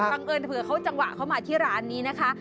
บังเอิญเผื่อเขาจังหวะเข้ามาที่ร้านนี้นะคะ